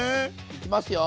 いきますよ。